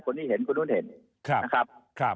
คนนี้เห็นคนนู้นเห็นนะครับ